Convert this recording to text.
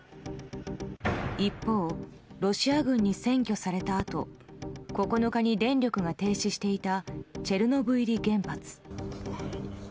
一方、ロシア軍に占拠されたあと９日に電力が停止していたチェルノブイリ原発。